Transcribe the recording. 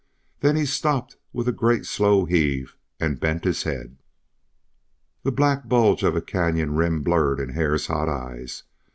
Then he stopped with a great slow heave and bent his head. The black bulge of a canyon rim blurred in Hare's hot eyes.